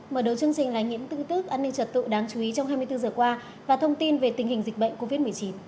mở đầu chương trình là nhiễm tư tức an ninh trật tụ đáng chú ý trong hai mươi bốn h qua và thông tin về tình hình dịch bệnh covid một mươi chín